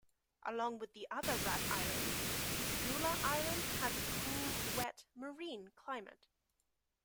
Along with the other Rat Islands, Segula Island has a cool, wet, marine climate.